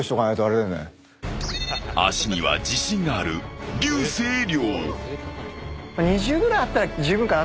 ［足には自信がある竜星涼］